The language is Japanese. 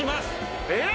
えっ！？